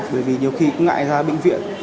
bởi vì nhiều khi cũng ngại ra bệnh viện